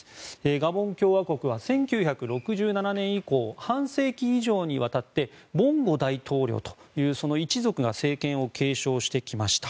ガボン共和国は１９６７年以降半世紀以上にわたってボンゴ大統領一族が政権を継承してきました。